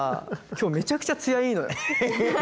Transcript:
今日めちゃくちゃ艶いいのよ。